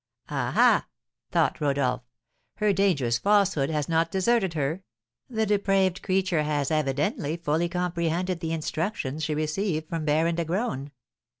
'" "Ah, ah," thought Rodolph, "her dangerous falsehood has not deserted her, the depraved creature has, evidently, fully comprehended the instructions she received from Baron de Graün."